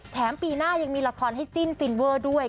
ปีหน้ายังมีละครให้จิ้นฟินเวอร์ด้วย